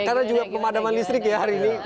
karena juga pemadaman listrik ya hari ini